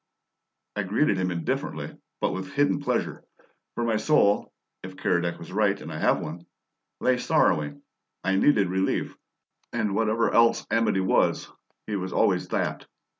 I greeted him indifferently, but with hidden pleasure, for my soul (if Keredec is right and I have one) lay sorrowing. I needed relief, and whatever else Amedee was, he was always that.